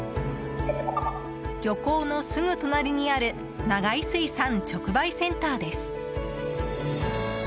漁港のすぐ隣にある長井水産直売センターです。